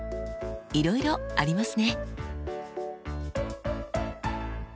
いろいろありますね。